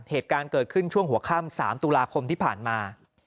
เหตุการณ์เกิดขึ้นช่วงหัวค่ำ๓ตุลาคมที่ผ่านมา